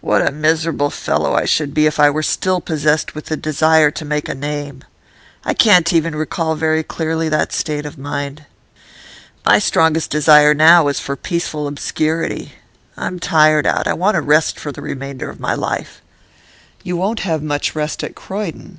What a miserable fellow I should be if I were still possessed with the desire to make a name! I can't even recall very clearly that state of mind. My strongest desire now is for peaceful obscurity. I am tired out; I want to rest for the remainder of my life.' 'You won't have much rest at Croydon.